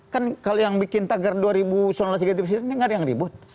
kan kalau yang bikin tagar dua soal negatif negotiatif ini nggak ada yang ribut